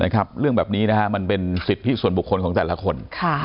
เรื่องแบบนี้มันเป็นสิทธิส่วนบุคคลของแต่ละคน